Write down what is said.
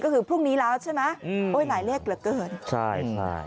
คือพรุ่งนี้แล้วใช่มะอ่ออยหลายเลขเหลือเกินใช่